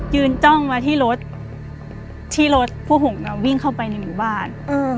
จ้องมาที่รถที่รถพวกผมวิ่งเข้าไปในหมู่บ้าน